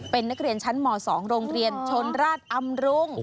เป็นนักเรียนชั้นม๒โรงเรียนชนราชอำรุง